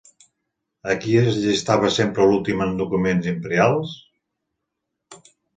A qui es llistava sempre l'últim en documents imperials?